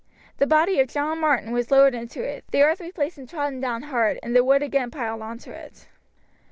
The body of John Martin was lowered into it, the earth replaced and trodden down hard, and the wood again piled on to it.